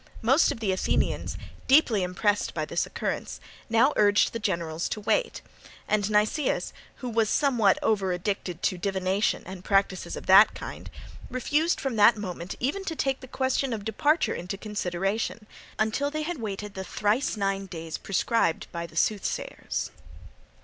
Most of the Athenians, deeply impressed by this occurrence, now urged the generals to wait; and Nicias, who was somewhat over addicted to divination and practices of that kind, refused from that moment even to take the question of departure into consideration, until they had waited the thrice nine days prescribed by the soothsayers.